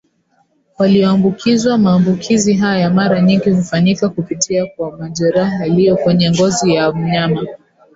walioambukizwa Maambukizi haya mara nyingi hufanyika kupitia kwa majeraha yaliyo kwenye ngozi ya mnyama